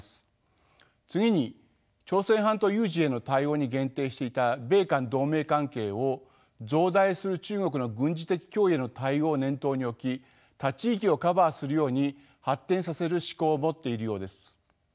次に朝鮮半島有事への対応に限定していた米韓同盟関係を増大する中国の軍事的脅威への対応を念頭に置き他地域をカバーするように発展させる指向を持っているようです。